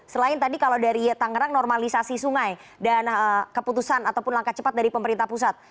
selain tadi kalau dari tangerang normalisasi sungai dan keputusan ataupun langkah cepat dari pemerintah pusat